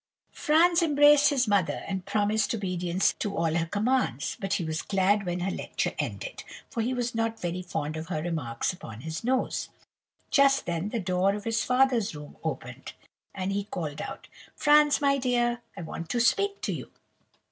"Franz embraced his mother, and promised obedience to all her commands; but he was glad when her lecture ended, for he was not very fond of her remarks upon his nose. Just then the door of his father's room opened, and he called out:— "'Franz, my dear, I want to speak to you.